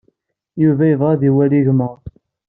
Yuba yebɣa ad iwali igmaḍ.